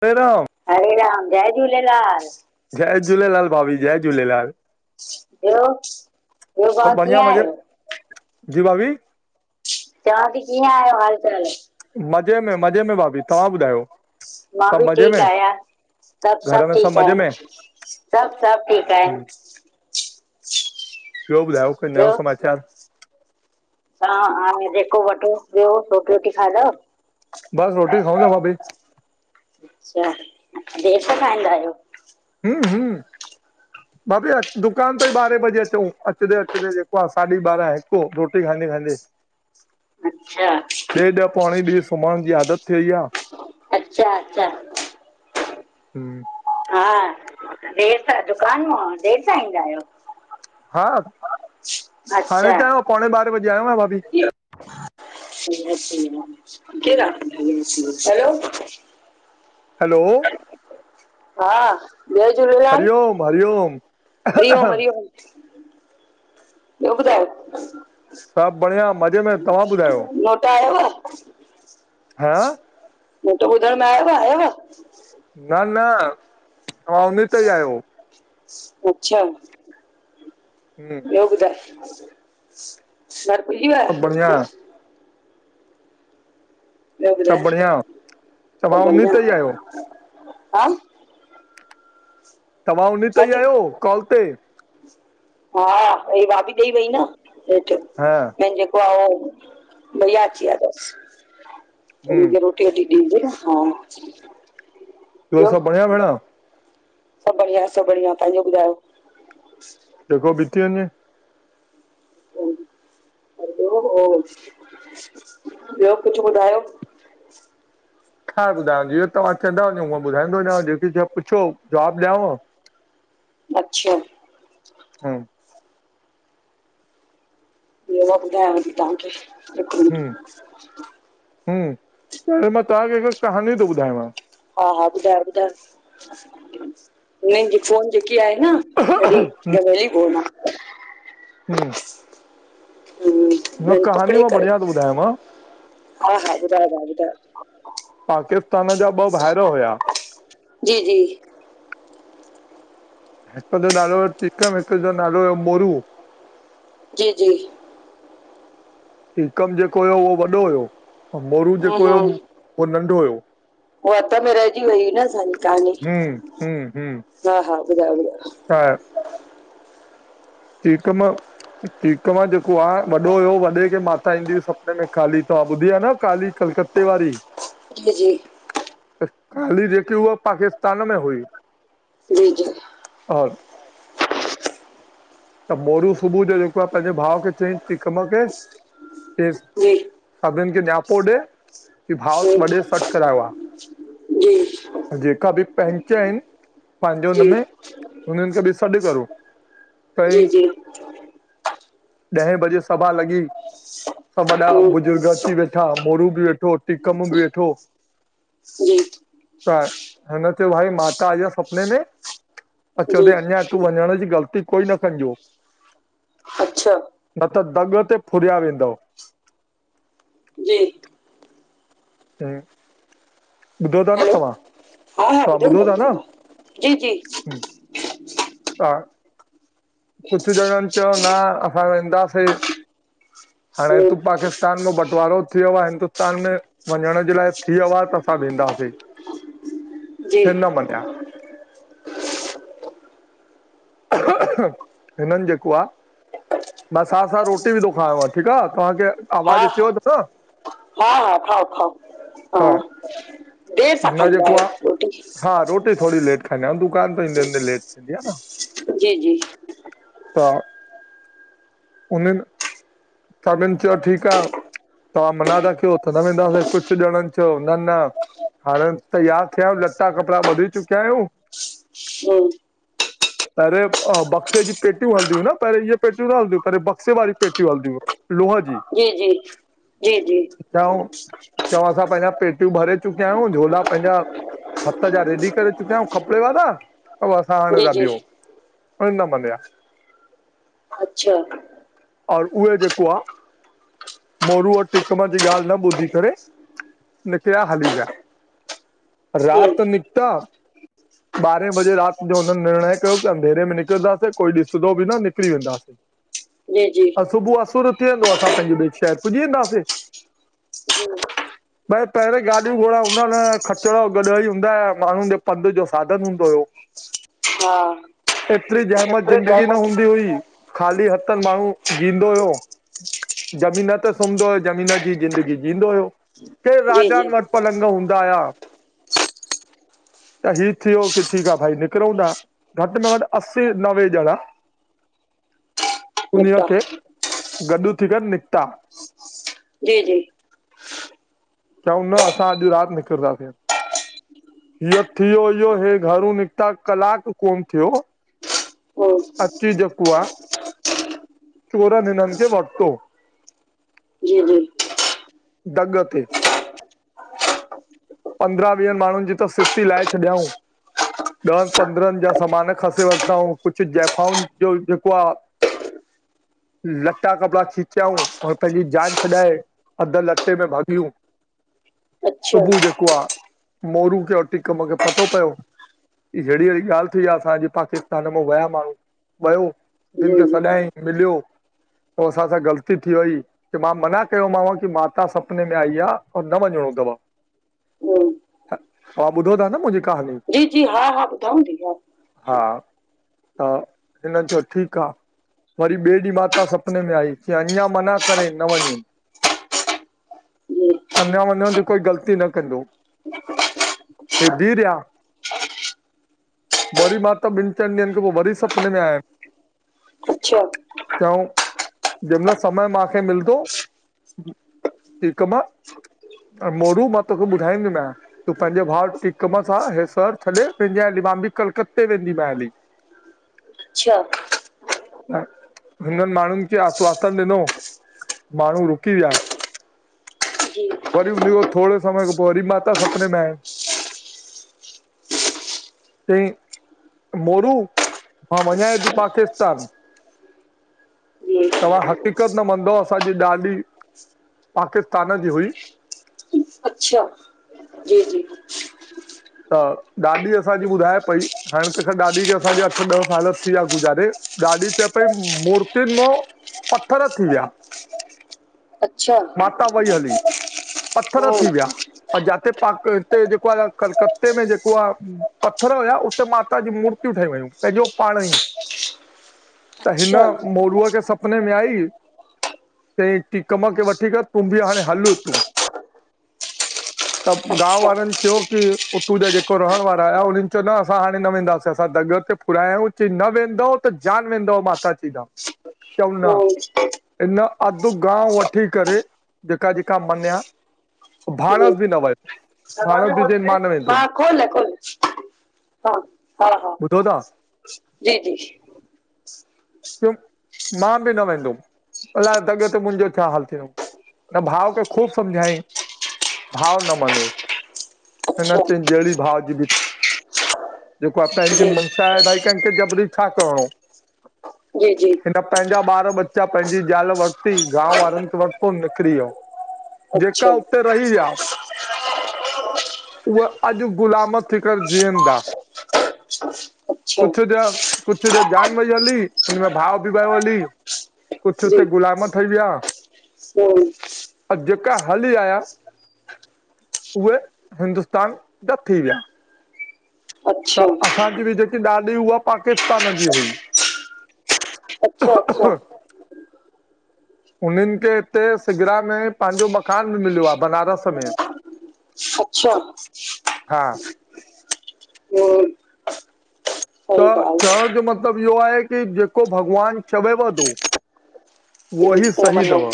पेरहू। हरे राम जय झूलेलाल। जय झूलेलाल भाभी जय झूलेलाल। ब्यो। ब्यो ब्यो भार सभु बढ़िया कीअं मज़े आयो? जी भाभी। चवां थी कीअं आयो हाल चाल? मज़े में मज़े में भाभी। तव्हां ॿुधायो? मां सभु भी मज़े ठीक में, आयां। सभ घर सभ में सभु ठीक मज़े आहिन् में? सभ सभ ठीक आहिन्। हम्म, [inaudible] ब्यो ॿुधायो कोई नओ समाचार? ह हाणे जेको वठो ब्यो रोटी वोटी खादव? बस रोटी खाऊ दा भाभी। अच्छा देर सां खाईंदा आयो? हू हू। [inaudible] भाभी दुकान तं ॿारहें बजे अचूं अचंदे अचंदे जेको अंसाजी ॿारहां हिक रोटी खाईंदे खाईंदे। अच्छा। डेॾ पोणे बि सुमहण जी आदत थी वई आ। अच्छा अच्छा। हू। हा देर सां दुकान मां देर सां ईंदा आयो? हा, हाणे त पौणे ॿारहें बजे आयो आ भाभी। केर आ हलो हलो हा, जय झूलेलाल, हरिओम हरिओम हरिओम, हरिओम। ॿियो ॿुधायो? सभु बढ़िया मज़े में तव्हां ॿुधायो? नोटा आयव हां मोटो ॿुधण में आयव, आयव। न न तव्हां उन ते ई आहियो। अच्छा। [inaudible] ॿियो ॿुधाए? [unintelligible] सभ बढ़िया ॿियो सभु ॿुधाए? बढ़िया सभु तव्हां उन बढ़िया, ते ई आहियो हा तव्हां उन ते ईं हेठि आहियो कॉल ते। हा इ भाभी ॾेई वई न हेठ, हा पहिंजे वॉउ, भैया अची वियातसि हूं हुनखे रोट टी ॾींदी अ हा ॿियो सब बढ़िया भेण सभु बढिया, सभ बढ़िया, पहिंजो ॿुधायो? जेको बिती वञे ॿियो कुछ ॿुधायो? छा ॿुधायव जींअं तव्हां चैंदा वञो उंअ ॿुधाईंदो वञांव, जेकी शय पुछो जवाब ॾियाव अच्छा। हु ॿियो मा ॿुधांयव ती तव्हांखे। हिकु मिंट हुं, हुं हाणे मां तव्हां खे हिक कहानी थो ॿुधायांव। हा, हा ॿुधायो, ॿुधायो हिननि जी फोन जेकी आहे न [unintelligible] हु हूंअ हीं कहानी पकड़े मां करे, बढ़िया थो ॿुधायांव हा, हा ॿुधायो तां ॿुधायो? पाकिस्तान जा ॿ भाइर हुया। जी, जी हिक जो नालो टीकम हिक जो नालो हुओ मोरू जी, जी। टीकम जेको हुयो उहो वॾो हुयो, ऐं मोरू हम्म, जेको हुयो उहो नंढो हुयो। हुअ अध में रहिजी वई हुई न असांजी क्हानी, हम्म हम्म हम्म हा, हा ॿुधायो ॿुधायो। [unintelligible] टिकम टिकम जेको आ वॾो हुयो वॾे खे माता ईंदी हुई सपिने में काली तव्हां ॿुधी आ न काली कलकत ते वारी जी, जी। काली जेकी उहा पाकिस्तान में हुई जी जी। और त मोरू सुबुह जो जेको आ पंहिंजे भाउ खे चईंसि टिकम खे चयईंस जी सभिनिन खे नियापो ॾे की भाउ वॾे हम्म, सॾु करायो आ। जी [unintelligible] जेका बि पंहिचं अनि पंहिंजे जी हुनमें, हुननि खे बि सॾु करो। जी, चयईं जी ॾहें बजे सभा लॻे। सभु वॾा हम्म, बुजुर्ग अची वेठा मोरू बि वेठो, टीकमु बि वेठो जी त हिन ते वाई माता आई आ सपने में अच चउ जी थी अञां तूं वञिण जी ग़लति कोई न कझो! अच्छा न त दॻि ते फुरिया वेंदोंव जी ऐं ॿुधो ता न हेलो तवां, हा हा तवां था ॿुधो ता न! था जी, जी हा कुझु जणनि चयो न असां वेंदासिं! हाणे हम्म, तू पाकिस्तान में बंटिवारो थियो आए। हिंदुस्तान में वंञण जे लाइ थियो आह त सां वेंदासीं जी हि न मन्निया। खंंॻिण जी आवाज, हिननि जेको आह मां साथ-साथ रोटी बि थो खायांव ठीकु आह तव्हांखे हा आवाज़ अचे व हा थो न? हा हा खाओ खाओ हा देर सां न खाईंदा जेको आ, आहियो रोटी जी हा रोटी थोङी लेटि खाईंदा अयूं दुकान तां ईंदे ईंदे लेट थींदी आ न। जी जी हा, उनिनि सभिनि चयो ठीकु आ, तवां मना था कयो त न वेंदासीं। कुझु ॼणनि चयो न न हाण त तैयार थिया अयूं, लट्टा कपिड़ा ॿधी चुकिया अयूं। [unintelligible] पेंहिरें अ बक्से जीे पेटियूं हलंदि यूं न पेंहिरें हिये पेटियूं न हलंदिं पेंहिरें बक्से वारी पेटियूं हलंदि हुयूं! लोय जी। जी जी जी जी चोऊ असां पेंजा पेट टियूं भरे चुकिया अयूं, झोला पेंजा हथु जा रेडी करे चुकिया अउ खपेव न? अउ असां आणे जी था जी डिउं? परु न मन्या अच्छा और उहे जेको आह! मोरू ऐ टिकमु जी ॻाल्हि न ॿुधी करे निकरिया हली विया, हम्म, राति निकतो ॿारहें बजे राति जो हुननि निर्णय कयो की! अंधेरे में निकिरंदासीं कोई ॾिसंदो बि न निकिरी वेंदासि जी जी सुबुह असुर थीयेंदो। असां पंहिंजे ॿिए शहर पुॼी वेंदासिं जी [unintelligible] भई पहिरीं गाॾियूं घोड़ा हूंदा न! खच्चर ऐं ॻॾहो ही हूंदा आ माण्हुनि जे पंधु जो साधनि हूंदो हुयो। हा एतिरी जहिमत ज़िंदगी न हूंदी हुई ख़ाली हथिनि माण्हू ॼिंयदो हुयो। ज़मीन त सुमंदो हुयो ज़मीन जी ज़िंदगी जींदो हुयो। के जी जी राजाउनि वटि पलंॻ हूंदा हुया। [inaudible] त ही थियो की ठीकु आ भाई निकिरूं ता, घटि में घटि असी नवे ञणा [inaudible] उन्हीय निपटा खे गॾु थी करे निकिता। जी-जी चयऊं न असां अॼु राति निकरंदासीं। इहो थियो इहो हे घरू निकिता कलाकु कोन थियो। हम्म, अची जेको आ चोरन हिनिन खे वरतो जी-जी दॻ ते पंद्रहं वीह माण्हुनि ॼी त सिसी लाइ छॾियऊं। ॾहनि पंद्रहनि जा सामान खसी वरिताऊं कुझु जैफ़ाउनि जो जेको आ [inaudible] लटा कपिड़ा खिचयऊं ऐ पंहिंजी जान छॾाए अधु लटे में भॼियूं अच्छा सुबुह जेको आ मोरू खे ए टीकम खे पतो पयो अहिड़ी अहिड़ी ॻाल्हि थी आ, असां अॼु पाकिस्तान मउ विया माण्हू वियू सभिनि जी खे जी सॾाई मिलियो पोइ असां सां ग़लती थी वई, की मां मना कयो मांव की माता सुपिने में आई आ ऐं न वञणो तव, हम्म, तव्हां ॿुधो था न मुंहिंजी कहानी? जी-जी हा-हा ॿुधाथी हा। हा, त हिन चयो ठीकु आ। वरी ॿिए ॾींहुं माता सपिने में आई, च कीं अञा मना करेन वञेन। जी अञां वञण जी कोई ग़लती न कदों, [unintelligible] वरी माता ॿिनि चइनि ॾींहंनि खां पोइ वरी सुपिने में आयनि अच्छा चयउ जहिं महिल समय मांखे मिलंदो टीकम मोरू मां तोखे ॿुधाईंदी माय। तूं पंहिंजे भाउ टीकम सां हे सहर छॾे वेंॼा हली, मां ॿि कलकते वेंदी मायें हली। अच्छा त हिननि माण्हुनि खे आतवातन ॾिनो, माण्हू रुकी विया। जी वरी उन खों थोणे समय खों पोइ वरी माता सपिने में आयन [inaudible] चई मोरू, मां मञा ती पाकिस्तान जी तव्हां हक़ीक़त न मंनदव असांजी ॾाॾी पाकिस्तान जी हुई। अच्छा जी जी [inaudible] त ॾाॾी असांजी ॿुधाए पई, हाणे त खेंर डाॾी खे असांजे अठ ॾह साल थी विया गुज़ारे ॾाॾी चए पई मूर्तियुनि मां पत्थर थी विया। अच्छा उता वई हली, पत्थर हम्म, थीवियां अं जाते पाक हिते जेको आ कलकते में जेको आ। पत्थर हुया उते माता जी मूर्तियूं ठही वयूं पेजों पाण ई। [inaudible] त हिन मोरूअ जे सपिने में आई। ते टीकम खे वठी कर तूं बि हाणे हल तूं। त गांव अच्छा वारन् च्यो। की उंतो जेको रहण वारा आया उन्हन् चयो न असां हाणे न वेंदासीं असां दग ते फूरायायो। ती न वेंदव त जान वेंदव माताजित। [inaudible] चऊन हम्म, इन अध गांव वठी करे जेका जेका मञया। भाणस बि न वयो।। दरवाजा खोल दीजिए, हा खोल खोल खोल हा हा। ॿुधो था जी जी। मां बि न वेंदोव अलाए डॻ ते मुंजो छा हाल थींदो? न भाव खे खूब समझाई भाव न मनियो। हिन अच्छा चयाई जेहड़ी भाउजी बि। जेको अता हिते जी मंशा आहे भाई कंहिंखे जबरी छा करणो? जी जी। हिन पेंजा ॿार बच्चा पंहिंजी ज़ाल। वरती, गांव वारन वरतो निकरी ब्यो। जेका अच्छा उते रहीया। [inaudible] उअ अॼ ग़ुलाम थी करे जीयंदा अच्छा कुछ ड्य। कुछ जो जान वई हली उनमें भाव बि व हली। कुछ हुते गुलाम थईबिया। मोर। जेका हली आया। उहे हिंदुस्तान जा थी व्या। त अच्छा असांजी बि जेकी ॾाॾी हुआ पाकिस्तान जी हुई। [inaudible] अच्छा अच्छा [inaudible] उन्हन खे हिते सिगड़ा में पांजो मकान मिलिया बनारस में। अच्छा हा। मोर। त चवण जो मतलब इहो आहे की जेको भॻवान चवेव तू। वह जी, ही पोइ सही मनो दवा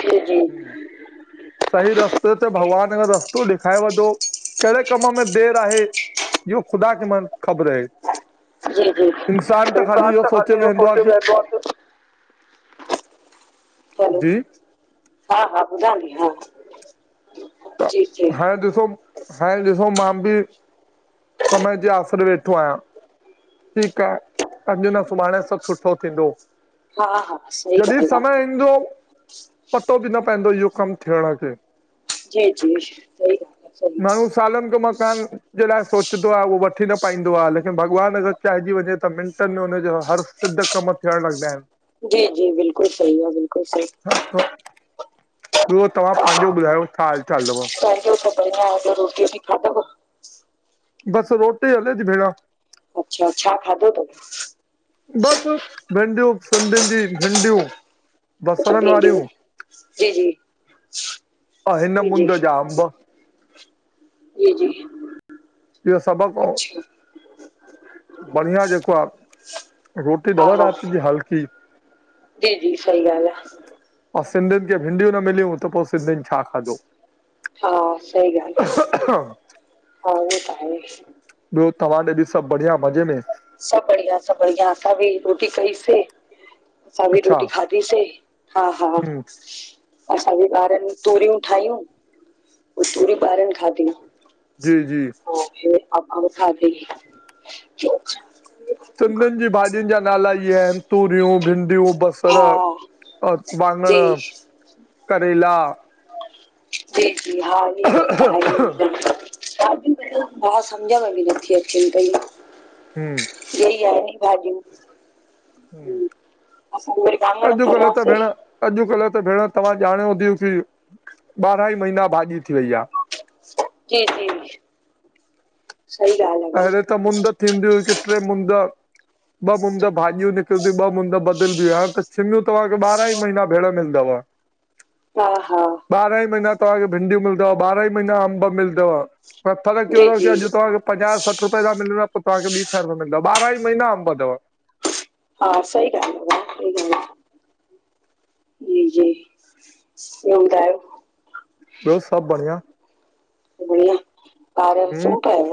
जी जी सही रस्ते तो भॻवान यो रस्तो ॾेखाए बडो। केहड़े कम में देर आहे इहो ख़ुदा खे मन ख़बर हे। जी जी इ इहो त सोचे ख़ाली य वेहंदो आहे की [unintelligible] चलो जी। हा हा ॿुधा नी हा। त जी जी हाणे ॾिसो हाणे ॾिसो मां बि। समय जे आसिरु वेठो आहियां। ठीक आ अंजुन सुभाणे सभ सुठो थींदो। हा हा सही जॾहिं ॻाल्हि आहे समय ईंदो पतो बि न पवेंदो इहो कम थियण खे। जय [unintelligible] सही आह सही। माण्हू सालनि खां मां [unintelligible] जे लाइ सोच पचंदो आह, उहो वठी न पाईंदो आ लेकिन भॻवान अगरि चाहिजी वञे त मिंटनि में हुनजो हर सिध कम थियण लॻंदा आहिन। जी, जी बिल्कुलु सही आ, बिल्कुलु सही। [unintelligible] ॿियो तव्हां पांझो ॿुधायो? छा हाल चाल? तव? [unintelligible] बस रोटी हले ती भेण। अच्छा, छा खाधो थव? बसि भिंॾयूं सिंधियुनि जी भिॾयूं। अच्छा, भिनॾयू जी जी ऐं हिन जी मुंद जा अंब जी। जी, जी। इहो सबक़ हो। अच्छा बढ़िया जेको आ, रोटी हा तव हा राति जी हल्की। जी, जी सही ॻाल्हि आ। ऐं सिंधियुनि खे भिंडियूं न मिलियूं त पोइ सिंधियुनि छा खाधो। हा सही ॻाल्हि आ, हा उहो त आहे। ॿियो तव्हां ॾे सभु बढ़िया मज़े में। सभु बढ़िया, सभु बढ़िया असां बि रोटी कईसे। असां बि अच्छा रोटी खाधीसे, हा हा हम्म असांजे ॿारनि तूरियूं ठाहियूं, पोइ तूरियूं ॿारनि खाधियूं। जी जी। [unintelligible] असा बि खाधी। [inaudible] सिंधियुनि जी भाॼियुनि जा नाला इहे आहिनि तूरियूं, भिंॾियूं, बसर। हा वांॻड़, जी करेला। जी, जी, हा इहे सभु त आहिंन, हम्म [unintelligible] [unintelligible] हा समझ में बि नथी अचेन [unintelligible] हु। ईहे ही आहिन भाॼु। वरी वाङण अॼ कल्ह त तरियासीं भेण अॼुकल्ह त भेण तव्हां ॼाणियोव थी की ॿारहां ई महीना भाॼी थी वई आ। जी जी। सही ॻाल आ। पहिररीं त मुंद थींदी हुई किथे मुं ॿ मुंद भाॼियूं निकिरंदियूं ॿ मुंद बदिलबी हाण सिंॻयूं तव्हांखे ॿारहां ई महीना भेण मिलंदव। हा, हा। ॿारह ई महना तव्हांखे भिंडियूं मिलंदव ॿारह ई महीना अंब मिलंदव पर फ़र्क़ु जी इहोथव क जी अॼु तव्हांखे पंजाह सठ रुपए त मिलव पोइ तव्हांखे ॿी सह रुपए मिलंदव ॿाराहीं महीना अंब थव। हा सही ॻाल्हि आ भाउ सही गाल आह। जी, जी ॿियो ॿुधायो? ॿियो सभु बढ़या। बढ़िया, ॿार हूं सुम पिया [unintelligible]